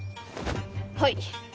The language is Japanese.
はい。